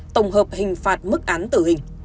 tổng hợp hình phạt mức án tử hình